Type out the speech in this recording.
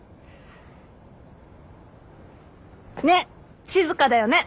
ねっ静かだよね。